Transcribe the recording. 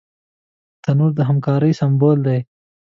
تنور د همکارۍ سمبول دی